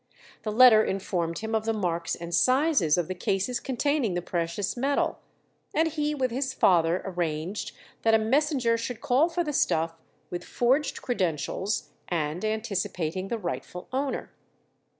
The letter informed him of the marks and sizes of the cases containing the precious metal, and he with his father arranged that a messenger should call for the stuff with forged credentials, and anticipating the rightful owner.